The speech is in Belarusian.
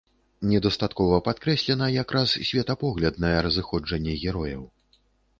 Недастаткова падкрэслена якраз светапогляднае разыходжанне герояў.